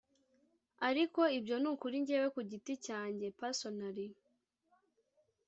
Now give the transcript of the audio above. ariko ibyo ni kuri njyewe ku giti cyanjye(Personally)